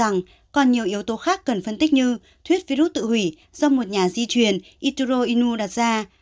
rằng còn nhiều yếu tố khác cần phân tích như thuyết virus tự hủy do một nhà di truyền ituro inu đặt ra